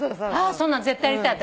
そんなん絶対やりたい私。